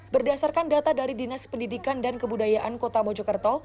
berdasarkan data dari dinas pendidikan dan kebudayaan kota mojokerto